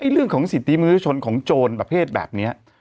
เรื่องของสิทธิมนุษยชนของโจรประเภทแบบนี้